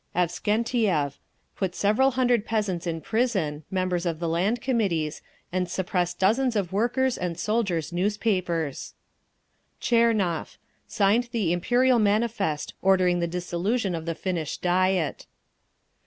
Avksentiev: put several hundred peasants in prison, members of the Land Committees, and suppressed dozens of workers' and soldiers' newspapers. Tchernov: signed the "Imperial" manifest, ordering the dissolution of the Finnish Diet.